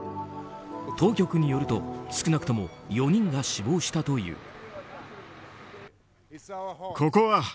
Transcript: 当局によると少なくとも４人が死亡したという。